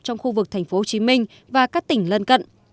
trong khu vực tp hcm và các tỉnh lân cận